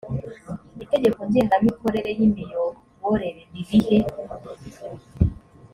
itegeko ngengamikorere yimiyoborere ririhe